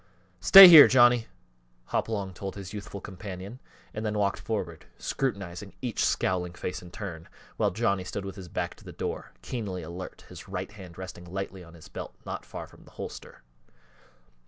"Stay here, Johnny," Hopalong told his youthful companion, and then walked forward, scrutinizing each scowling face in turn, while Johnny stood with his back to the door, keenly alert, his right hand resting lightly on his belt not far from the holster.